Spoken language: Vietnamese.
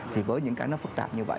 thì với những cái nó phức tạp như vậy